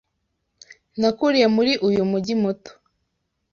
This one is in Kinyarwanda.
Nakuriye muri uyu mujyi muto.